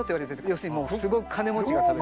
要するにすごく金持ちが食べる。